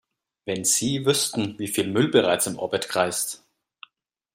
Wenn Sie wüssten, wie viel Müll bereits im Orbit kreist!